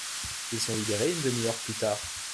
Ils sont libérés une demi-heure plus tard.